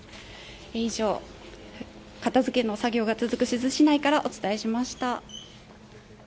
以上、片付けの作業が続く珠洲市内からお伝えしました。